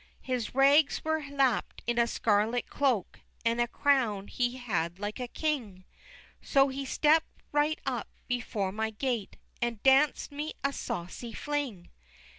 His rags were lapp'd in a scarlet cloak, And a crown he had like a King; So he stept right up before my gate And danc'd me a saucy fling!